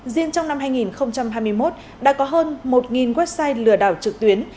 riêng trong năm hai nghìn hai mươi một đã có hơn một website lừa đảo trực tuyến